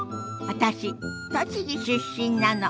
私栃木出身なの。